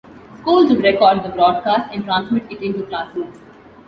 Schools would record the broadcast and transmit it into classrooms.